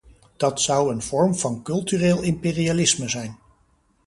Dat zou een vorm van cultureel imperialisme zijn.